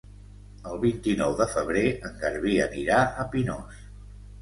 El vint-i-nou de febrer en Garbí anirà a Pinós.